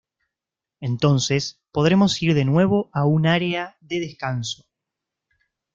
Entonces, podremos ir de nuevo a un área de descanso.